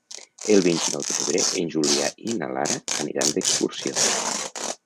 El vint-i-nou de febrer en Julià i na Lara aniran d'excursió.